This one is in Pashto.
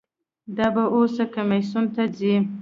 دا به اوس کمیسیون ته ځي.